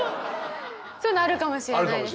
そういうのあるかもしれないです